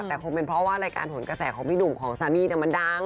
แต่คงเป็นเพราะว่ารายการหนกระแสของพี่หนุ่มของสามีมันดัง